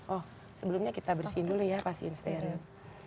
oh sebelumnya kita bersihin dulu ya pas diinsterin